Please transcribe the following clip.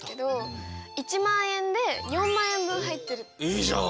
いいじゃん！